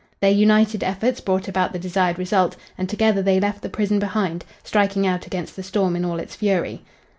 Their united efforts brought about the desired result, and together they left the prison behind, striking out against the storm in all its fury.